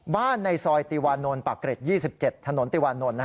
บ้านในซอยติวานนลปากเกร็จ๒๗ถนนติวานนล